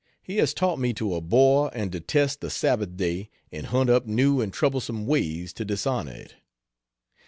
He has taught me to abhor and detest the Sabbath day and hunt up new and troublesome ways to dishonor it.